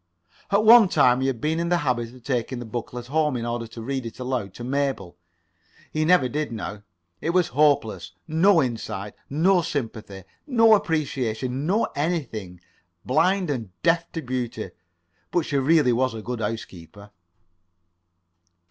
At one time he had been in the habit of taking the booklet home in order to read it aloud to Mabel. He never did it now. It was hopeless. No insight. No sympathy. No appreciation. No anything. Blind and deaf to beauty. But she really was a good housekeeper.